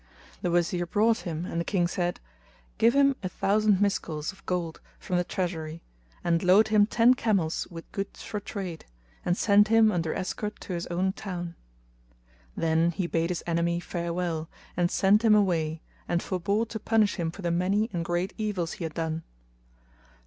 The Wazir brought him and the King said, "Give him a thousand miskals[FN#223] of gold from the treasury, and load him ten camels with goods for trade, and send him under escort to his own town." Then he bade his enemy farewell and sent him away and forbore to punish him for the many and great evils he had done.